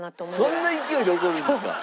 そんな勢いで怒るんですか？